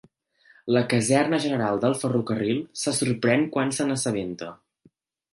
La caserna general del ferrocarril se sorprèn quan se'n assabenta.